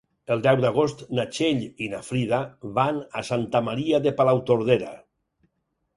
El deu d'agost na Txell i na Frida van a Santa Maria de Palautordera.